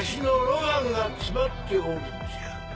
ロマンが詰まっておるんじゃ